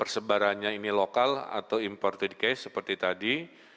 persebarannya ini lokal atau imported case seperti tadi